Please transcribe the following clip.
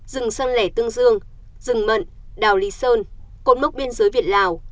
rừng săn lẻ tương dương rừng mận đào lý sơn cột mốc biên giới việt lào